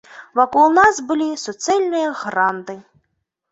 Вакол нас былі суцэльныя гранды.